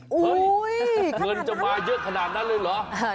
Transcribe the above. เฮ้ยเงินจะมาเยอะขนาดนั้นเลยเหรอ